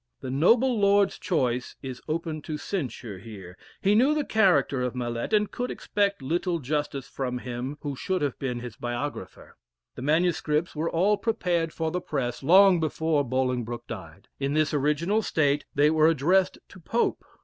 The noble Lord's choice is open to censure here. He knew the character of Mallet, and could expect little justice from him who should have been his biographer. The MSS. were all prepared for the press long before Bolingbroke died. In this original state, they were addressed to Pope.